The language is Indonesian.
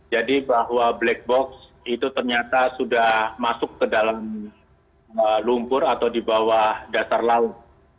jadi bahwa black box itu ternyata sudah masuk ke dalam lumpur atau di bawah dasar laut